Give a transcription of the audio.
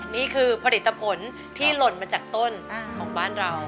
นี่คือผลิตผลที่หล่นมาจากต้นของบ้านเรา